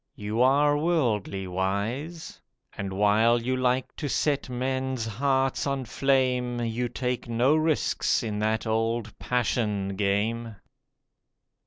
You are worldly wise, And while you like to set men's hearts on flame, You take no risks in that old passion game.